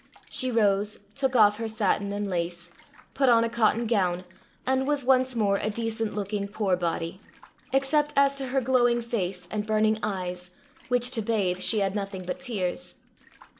She rose, took off her satin and lace, put on a cotton gown, and was once more a decent looking poor body except as to her glowing face and burning eyes, which to bathe she had nothing but tears.